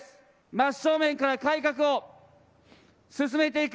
真っ正面から改革を進めていく。